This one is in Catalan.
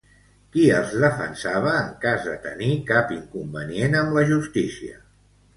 Qui els defensava en cas de tenir cap inconvenient amb la justícia?